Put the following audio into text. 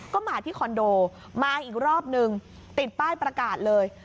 ก็มาที่คอนโดมาอีกรอบนึงติดป้ายประกาศเลย